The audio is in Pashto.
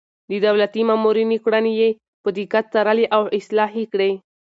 د دولتي مامورينو کړنې يې په دقت څارلې او اصلاح يې کړې.